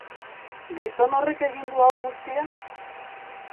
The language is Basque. Gizon horrek egin du hau guztia?